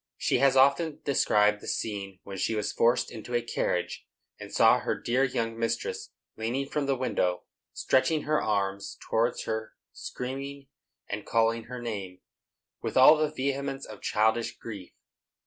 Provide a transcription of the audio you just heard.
She has often described the scene when she was forced into a carriage, and saw her dear young mistress leaning from the window, stretching her arms towards her, screaming, and calling her name, with all the vehemence of childish grief.